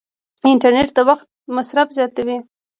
انټرنیټ د وخت مصرف زیاتوي.